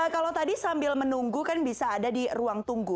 kalau tadi sambil menunggu kan bisa ada di ruang tunggu